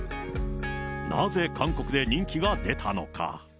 なぜ韓国で人気が出たのか。